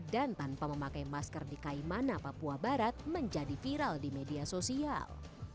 dan tanpa memakai masker di kaimana papua barat menjadi viral di media sosial